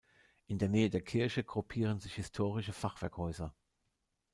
In der Nähe der Kirche gruppieren sich historische Fachwerkhäuser.